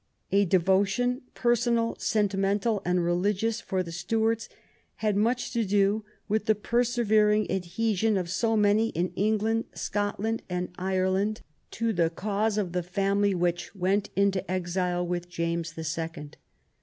A devotion personal, sentimental, and religious for the Stuarts had much to do with the persevering adhesion of so many in England, Scotland, and Ireland 22 WHAT THE QUEEN CAME TO— AT HOME to the cause of the family which went into exile with James the Second.